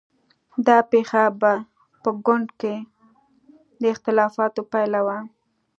دا پېښه په ګوند کې د اختلافونو پایله وه.